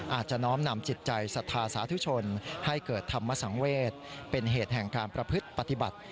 อาจจะน้อมนำจิตใจสัทธาสาธุชนให้เกิดธรรมสังเวศเป็นเหตุแห่งการประพฤติปฏิบัติ